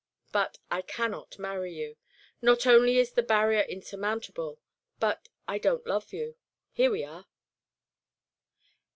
But I cannot marry you. Not only is the barrier insurmountable, but I don't love you. Here we are."